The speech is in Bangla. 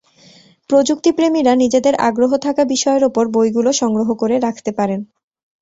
প্রযুক্তিপ্রেমীরা নিজেদের আগ্রহ থাকা বিষয়ের ওপর বইগুলো সংগ্রহ করে রাখতে পারেন।